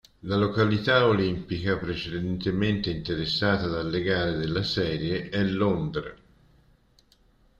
La località olimpica precedentemente interessata dalle gare della serie è Londra.